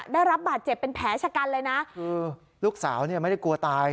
ได้รับบาดเจ็บเป็นแผลชะกันเลยนะคือลูกสาวเนี่ยไม่ได้กลัวตาย